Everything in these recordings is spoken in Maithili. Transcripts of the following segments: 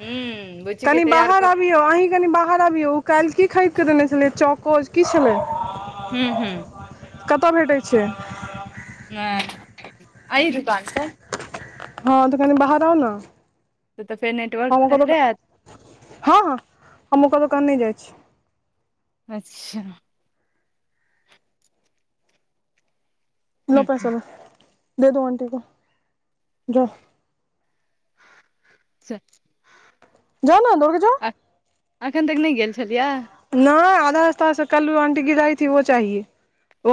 हूं बुच्ची के कनि तैयार बाहर कऽ आबियौ अहि केँ कनि बाहर आबिये ओ काल्हि की खरीद कऽ देने छलै चकोज की छलै हू हू कते भेटैत छै। आइ रुपआ छै। हँ तऽ कनि बाहर आउ न तऽ नेटवर्क अक दोकान टकरायत हँ ह अमक दोकान नहि जाइ छी अच्छा नओ हूं पैसा में दे दू आंटी को ज [unintelligible] जाओ न दौड़के जाओ एखन तक नहि गेल छलियै नहि आधा रस्त कल आंटी गिराईी वो चाए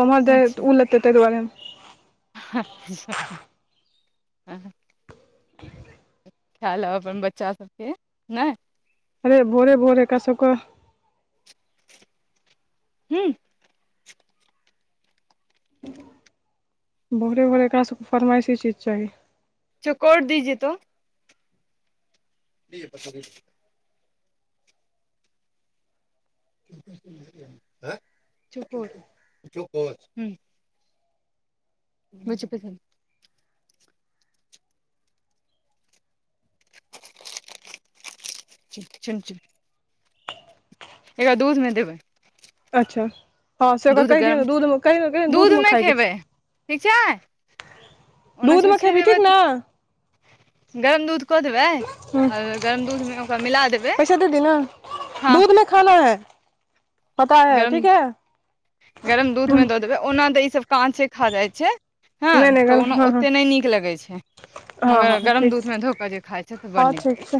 हमर तऽ तहि दुआरे अच्छा ख लब अप्पन बच्चा सभ के नहि अरे भोरे भोरे एकरा सभ के हु भोरे भोरे एकरा सभ के फरमाइशी चीज चाही च कोड़ दीजे तो [unintelligible] [unintelligible] नहि चपेश चलि एकरा दूध में देबै अच्छा हँ से ओकरा दूध कहि दियौ गरम ने दूध क द दूध में मे खाइ किछु। खेबै ठीक छै। ओना दूध में छुच्छे खेभहिन ठीक देबै न गरम दूध कऽ देबै ह आ गरम दूध में ओकरा मिला देबै पैसा दे दी न हँ दूध में खाना है पता है गरम ठीक है गरम दूध मे दऽ ओना तऽ ई सब काँचे खा जाइ छै ह नहि तऽ गल ओ हँ हँ ओते नइ नीक लगै छै हँ मगर हँ गरम ठीक दूधमे धो कऽ जे खाइ छै सेऽ बड़ हँ नीक ठीक छै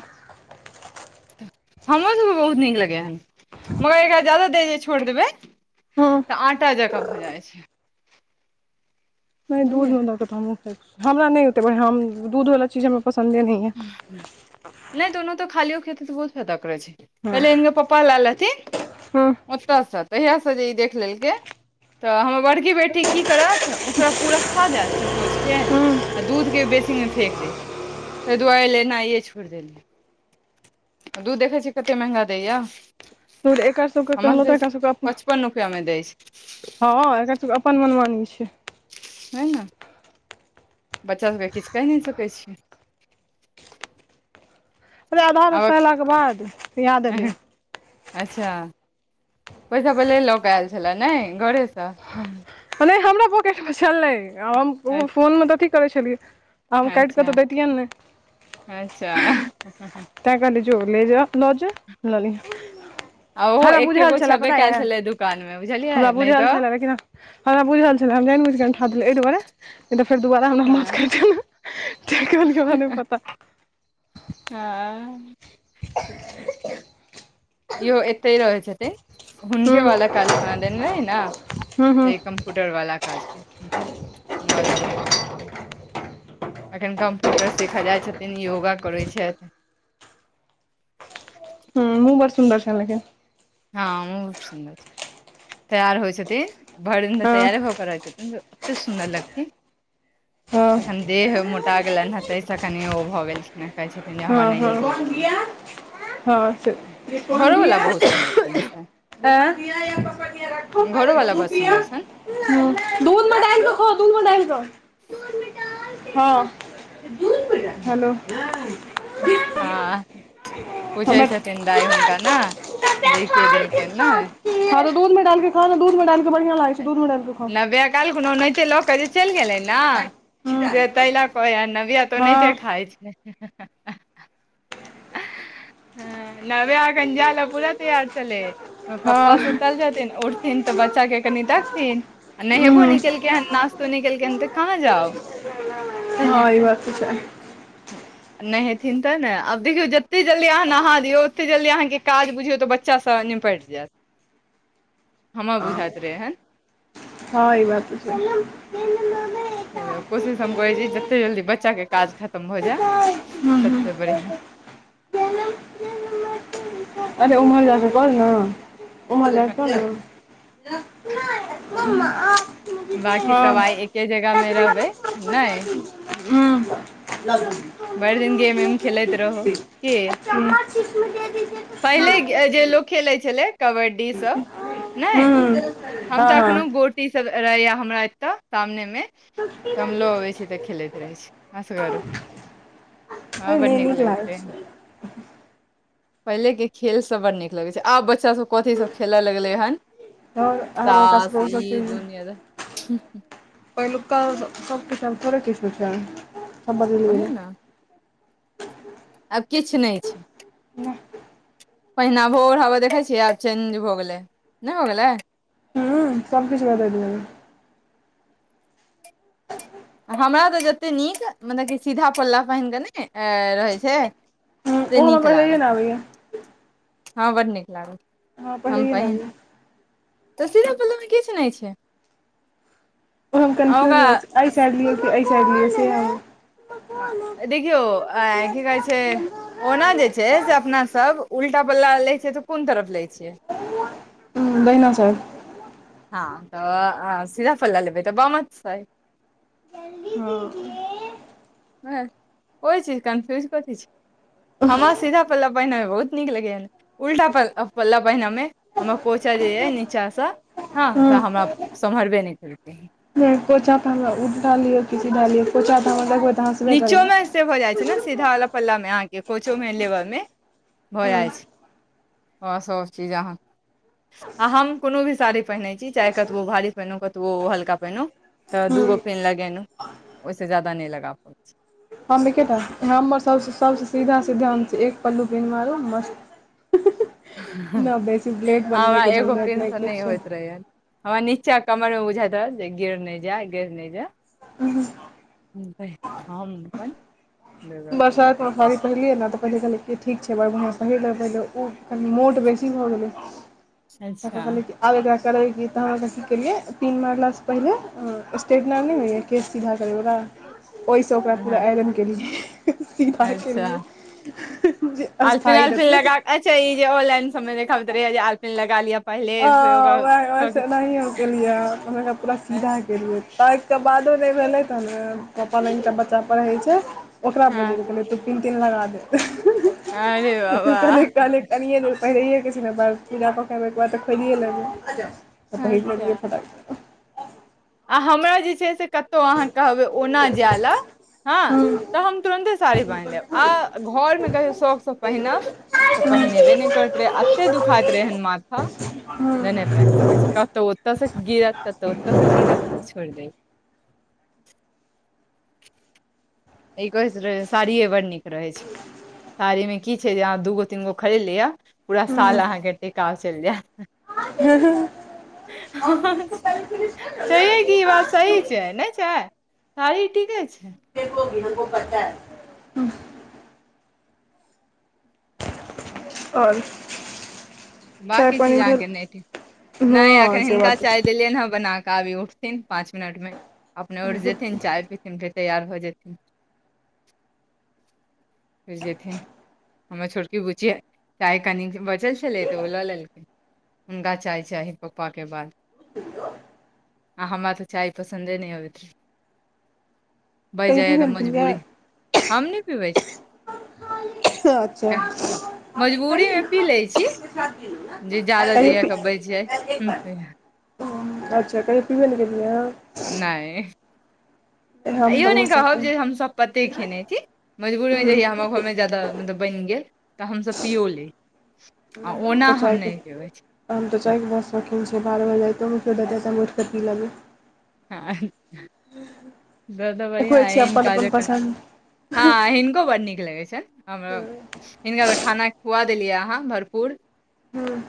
हमरो सबके बहुत नीक लगे हन मगर एकरा जाद देर छोड़ देबै हँ तऽ आटा जक भऽ जाइ छै नइ बुझलियै दूधमे दक तऽ हमहूं खाइ छी हमरा नय ओतै बड़िया हम दूध वालला चीज हमरा पसन्दे नय यै नय तऽ ओनाहियो खालियो खेते तऽ बहुत फायदा करै छै हँ पहिले एनकर पप्पा ले लथिन हँ ओतयसँ तहियसँ जे ई देख लेलकै तऽ हमर बड़की बेटी की करत तऽ ओकरा पूरा खा जायत चकोच के आ दूध के बेसी मे फेेक दे तऽ दुआइ लेनाइए छोड़ि देलिए दूध देखै छियै कतेक महंगा दैए दूध एकर सबके हमसब कहलहुँ के तऽ एकर पचपन रुपआ मे दै छै हँ हँ एकर सब अपन मनमानी छै है न बच्चा सभके किछ केह नय सकै छियै [inaudible] अरे आधा रास्ता आबक अयलाके बाद याद ऐले अच्छा पैसा पहिले लऽ कऽ आयल छलए ने घरेसँ नय हमरा पॉकेटमे छलेय हम ओ अच्छा फोनमे तऽ अथी करै छलियै आम काइट कऽ अच्छा तऽ देैतियेन नै अच्छा तै कहलिए जो लौ जो ल लिह आ ओहो हमरा एके बुझल गो छलए छबे पता य कयल छलै दुकान मे बुझलियै हमरा नहि बुझल तऽ छलए लेकिन हमरा बुझल छलै हम जाइन बुझि कऽ अठा देलहुै एहि दुआरे नहीं तऽ फेर दोबारा हमरा माछ हँ खहु कियाकी हुनकर हमरा नय पता हँ [inaudible] इहो एते रहै छथिन हुनके हूँ वला काल खुना देन रहै न हूँ हूँ ते इ स्कूटरवला काज करथि मोबइलवला नय अखन कम्प्यूटर सीखऽ जाइत छथिन योगा करैत छैथ हूँ मुह बड़ सुन्दर छैन लेकिन हँ बहुत सुन्दर छथीन तैयार होइ छथि भेर दिन तऽ हँ तैयारे होकर रहैत छथिन एते सुन्दर लगथिन हँ अखन देह मोटा गेलेन ह तेस कनी ओ भऽ गेलखिन कहै छथिन जे हमरा हँ नहि हँ नीक [inaudible] हँ लगैत रहै घरोवला बहुत सुन्दर छनि से घरोवला बड़ सुन्दर छनि [inaudible] [inaudible] [inaudible] हेलो हँ पूछे बैठ छथिन दाय हुनका न जे के देलकेन न हँ त दूध में डाल क खाओ न दूध मे डाल क बढ़ियाँ लागैत छै दूध मे डाल कऽ कल्हि कुन्हा ओनाहिते लऽ के जे चेइल गेले न हूँ से तेइला कहय नव्या त ओनेहिते हँ खाय छै नव्या अखन जाएले पूरा तैयार चलै [unintelligible] पप्पा हँ सुतल छै उठथिन तऽ बच्चा के कनि देखथिन नहेबो उहूँ नेकेलकेै हन नास तो नेकेलके केनऽ तऽ कहाँ जाउ ताहि हँ लए ई बात तऽ छै नहेथिन तऽ ने अब देखियौ जतेक जल्दी अहाँ नहा दियौ ओतेक जल्दी अहाँके काज बुझियौ तऽ बच्चासँ निपटि जायत। हमर बुझाइत रहे हन। हँ ई बात तऽ सही छै। कोशिश हम करैत छी जतेक जल्दी बच्चाके काज खतम भऽ जाय हूँ हूँ तते बढ़िआँ। अरे उमर जा कऽ कर नऽ ओमहर जा कऽ कर नऽ [unintelligible] बाँकी सभ आइ एके जगहमे [unintelligible] रहबै नहि [unintelligible] भरि दिन गेम एम खेलैत रहू की पहिले जे लोक। खेले छलय कबड्डी सब नेय हम हँ तऽ अखनो हँ गे ई सब रहे या हमरा एतय सामने मे। तऽ हम लो अबै छी तऽ खेलैत रहै छी असगर। अरे हँं बड़ नहि नीक लगत लागै रहे। छै पहिले के खेल सब बड़ नीक लगे छै आब बच्चा सब। कथी सब खेलऽ लगले हन आओर आब ओकरा तास सबके ओ सब ई चीज दुनिया। पहिलुका सभकेछ थोड़े किछ हो छै। सब बदलि ओहे गेलै नऽ आब किछु नहि छै। नहि। पहिना भोगरबै देखै छियै आब चेंज भऽ गेलै नहि हो गेलै। हँ सब किछु बताै देिबै। हमरा तऽ जतेक नीक मतलब कि सीधा पल्ला पहिनक कऽ नहि रहैत छै। हूँ से ओ हमरा नीक पहिलैए लागैत नहि छै आबैए हँ बऽ नीक लागत हमरा छै। हम पहिलैए नहि पहिन आबैए तऽ सीघा पल्ल मे किछु नहि छै। ओ हम आ कन्फ्यूज हो ओकरा छै एहि साइड लियो कि एहि साइड लियो से। देखियौ आय की कहै छै। ओना जे छै से अपना सब उल्टा पला लै छिय तऽ कोन तरफ लै छियै। हऽ दहिना साइड हँ तऽ सीधा पला लऽ लेबै तऽ बामा साइड हँ। ओ चीज कन्फ्यूज कथी। हमरा सीधा पल्ला पहिननेमे बहुत नीक लगैयन। उल्टा पल्ला पहिनमे हमर कोचा जे यऽ नीचाँ सा। हँ तऽ हमरा सम्हरबे नहि केलकै। नहि कोचा तऽ उल्टा लियऔ कि सिधा लियो कोचा तऽ हमर देखबे नीचोमे से भऽ जाइत छै ने सीधाावला पल्लामे अहाँके कोचोमे लेबयमे। भऽ हूँ जाइ छै आओर सभचीज अहाँ। आ हम कोनो भी साड़ी पहिनैैत छी चाहे कतबो भारी पहिनू कतबो हल्का पहिनू। तऽ दूगो हूँ पिन लगेलहुँ ओहिसँ ज्यादा नहि लगा पड़ छी। हम एकेटा हमर सभ सभसँ सीधा सीधा हम एक पल्लू पिन्हब आारू मस्त न बेसी ब्लेड हमरा बनबैके एगो झंझट पिन सऽ नहि किछो होइत रहै। हमरा नीचाँ कमर मे बुझैतत रहत जे गिर नहि जाय गिर नहि जाय। [unintelligible] [unintelligible] हम अपन दुर्गा पल्लू बरसाइत मऽ साड़ी पहिर लियै नऽ तऽ पहिले कहलै की ठीक छै बर बढ़आँ पहिर लेलै पहिले उ कनि मोट बेसी भऽ गेलै। तखन अच्छा कहलियै की आब एकरा करबै कि तहन कथि केलियै की पिन मारला सँ पहिले स्टेपलर नई होइय केश सीधा करै वल ओहिसँ ओकरा पूरा हँ आइरन केलियै। से सिधा अच्छा केलियै जे आलपिन स्थायी आलपिन रहतै नऽ लगा अच्छा ई जे ऑनलाइन सममे देखबैत रहैय जे आलपन लग लिअ पहिले फेर हँ ओकर वैह सब कैसे चीज। ओनाहि हम केलियै हँ तहत एकरा पूरा सीधा केलिये हन ताइ क बादो नय भेलै तही पापा लंग एकटा बच्चा पढ़ै छै ओकरा हँ बजेलि कहलियै तु पित तिन लगा दे अरे बाबा [unintelligible] पहिरैेके छै मऽ बस पूजा कऽ कऽ एबैय ओय कऽ बाद तऽ खोलिए लबैय तऽ पहिर अच्छा लेलियै फटाक सँ आ हमरा जे छै से कतहु अहाँ कहबै ओना जाय लऽ। हँ हूँ तऽ हम तुरन्ते साड़ी बाइन्ह लेब आ घरमे कहियौ शौक सँ पहिनब। तऽ और पहिनेबे नइ करैत रहै एते दुखाइत रहै एहैन माथा। नय ने पहिन सकै छी कतोऽ ओतऽ सँ गिरत कतोऽ ओतऽ सँ गिरत तऽ छोड़ि दे। ई कहैत रहै साड़ियए बड़ नीक रहै छै साड़ीमे की छै जे अहाँ दूगो तीन गो खरीद लिअ। पूरा साल अहाँकेँ टेकाउ चैल जैत हँ हँ लो छैहे कि इ बात सही छै नैय छै। साड़ी टीके छै। [unintelligible] ऑन बकी चीज अहाँकेँ नय टि नय हँ अखैन से हिनका बात चाही। देलियनि हँ बना कऽ आब इ उठथिन पाँच मिनट मे अपने उठ जेथिन चाय पी। थिन फेर तैयार भऽ जेथिन। फेर जेथिन हमर छोटकी बुच्चीया चाय कनिक बचल छलै तऽ ओ लऽ ललेकै हुनका चाय चाही पपा केँ बाद [inaudible] आ हमरा तऽ चाय पसन्दे नय आबेत बहि कही जाय भी यऽ तऽ भेलखिन क मजबूरी हम नय पीबै छी अच्छऽ कही मजबूरीमे पी कहियो लै छी जे ज्यादा जहिया पी के बचि जाय अच्छा कहियो पीबे नय केलियै अहाँ नाय आ हम तऽ इहो ओहो नइ कहब सब जे हम सब पते खेने छी मजबूरीमे हम जहिया हमर घरमे ज्यदा मतलब बैन गेल तऽ हमसभब पिओ ली आ ओना तऽ हम चाय के नय पबै छी हम तऽ चाय कऽ बहुत शौकीन छी य बरह बजे राइतो मऽ कियो देतै तऽ हम उइठ कऽ पी लेबै [unintelligible] [unintelligible] देखै छियै अपन हिनका अपन जेकाँ पसन्द हँ हिनको बड़ नीक लगै छैन हमरा हिनका खाना खुआ देलियै अहाँ भरपूर हुँ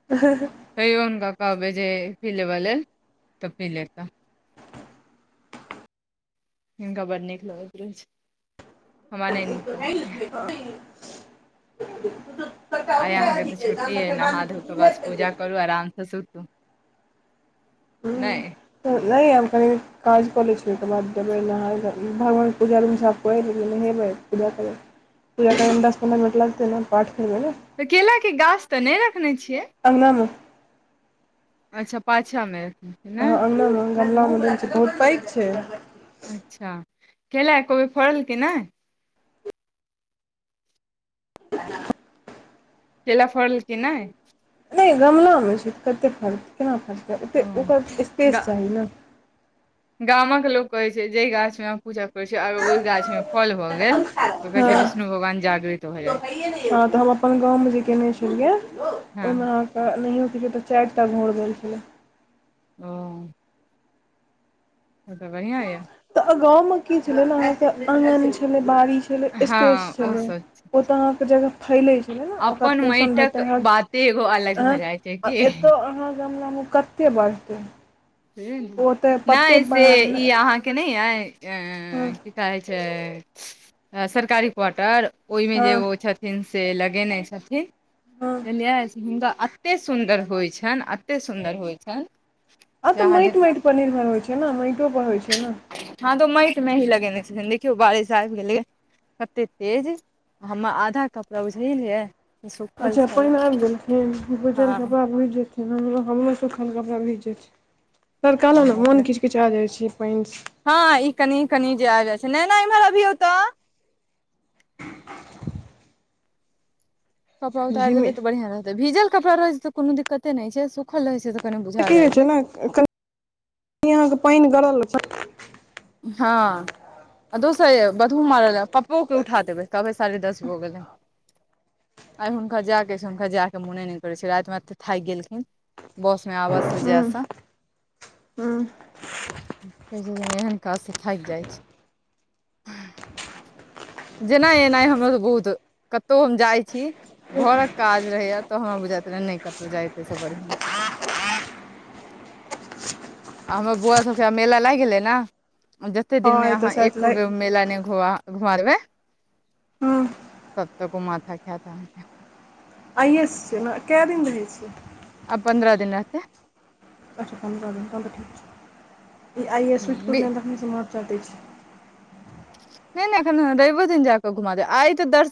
[unintelligible] तैयो हुनका कहबै जे पी लेबऽ लेल तऽ पी लेता हिनका बड़ नीक लगैत रहै छय हमरा नय नीक लगैत रहैय [inaudible] आइ अहाँकेँ तऽ छुट्टी अइ नहा धो तऽ बस पूजा करू आराम स सुतू नै नै हम कनि काज कलै छिये तेकर बाद जेबय नहाय लै भगवान पूजा रुम साफ कऽ ए लेबय पूजा करबय पूजा टाईम दस पन्द्रह मिनट लागतै ने पाठ बन बय ल तऽ केला के गाछ तऽ नहि रखने छिये। अंगनामे अच्छा पाछा म ह अंगना मे गमला मे देने छिये बहुत पैघ छे अच्छा केला एकोबेर फोड़ल कि नेय [unintelligible] केला फोरल कि नय नहि गमलामे छय कतेक फरतैय केना फरतैय ओ ओतेक ओकर गा स्पेस चाही न गामक लोक कहे छै जेहि गाछ मे अहा पूजा करै छियै अब ओहि गाछ मे हँ जागृत भऽ जाइ छै। हँ तऽ हम अपन गाम मे जे केने छेलिये हँ ओहिना अहाँकेँ नहियो तऽ चारि टा भोर भेल छलै। ओ तऽ बढ़िआ य तऽ गाम मे कि छले ने अहाँकेँ आंगन मे छेलय बारी छल स्पेस हँ ओ छेलय सब ओ तऽ अहाँकेँ जगह फयलै छलै ने ओकरा अपन पोषण माटिक भेटै रहल बाते एगो अलग आय भऽ जाइ छै आ की एतय अहाँ गमला मे कतेक बढ़तै। हूँ ओ तऽ पत्ते नहि से ई अहाँ केनि आय हँ कि कहय छय सरकारी क्वार्टर ओहि मे जे हँ औ छथिन से लगेने छथिन हँ बुझलियै हुनका एते सुन्दर होई छनि एते सुन्दर होई छनि। आब जे त अहाँ माटि देख माटि पर निर्भर होइत छै ने माटो पर होइत छै ने। ह तऽ माट मे ही लगेने छथिन देखियौ बारिश आबि गेलै। कतेकऽ तेज हमरा आधा कपड़ा बुईझ गेलियैय अच्छा पानि आबि गेलखिन भिजल हँ कपड़ा भिज जेते। हमरो हमरो सुखल कपड़ा भीज जाय छैय तरकारो ने मोन किछ किछाय जाय छैय पयनसँ ह ई कनि कनि जे आबि जाइ छै नय नयइम्हर अबियो तऽ कपड़ा उतारि देबै झिमे तऽ बढ़िया रहै भिजल कड़ा रहै छै तऽ कोनो दिक्कते नहि छै सुखल रहै छै त कनि। बुझा कि होइ जाइ छै ने कनि अहाँकेँ पानि गड़ल। ह आ दोसर बधू मारल पप्पो के उठा देबै कहभै साढ़े दस भऽ गेलै। आइ हुनका जायके छै हुनका जायके मने नहि करैत छै रातिमे एत थाकि गेलखिन। बॉस मे आवाज से हूँ जेसा। हूँ काज से फाकि जाई छै। जेना एनाइ हमर तऽ बहुत कतहु हम जाई छी। घरक काज रहैए तऽ हमरा बुझा रहै नहि कतहु जायतैसँ बढ़िआ। आ हमर बौआ सभके मेला लागि गेलै ने जते दिनमे हँ ई तऽ अहाँ शायद एक। लाइ मेला नहिु घुमा देबे सभ तक घु माथा क्याथा। आइ एस छै ने कैरिग रहै छै आ पन्द्रह दिन अते क ई आइ ए स्विच नहि करुलनि तखनेसँ म चाटै छी। नहि नहि एखन रवो दिन जाक घमा दे आई तऽ दर्श।